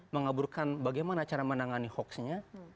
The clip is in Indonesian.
mengaburkan bagaimana cara menangani hoaxnya